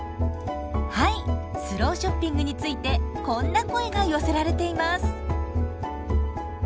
はいスローショッピングについてこんな声が寄せられています。